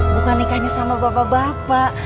bukan nikahnya sama bapak bapak